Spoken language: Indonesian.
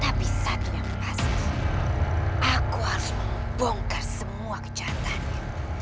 tapi seakin yang pasti aku harus membongkar semua kejahatannya